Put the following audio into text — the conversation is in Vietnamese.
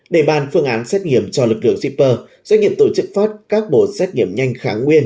để bàn phương án xét nghiệm cho lực lượng shipper doanh nghiệp tổ chức phát các bộ xét nghiệm nhanh kháng nguyên